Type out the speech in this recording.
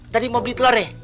tadi mau beli telur ya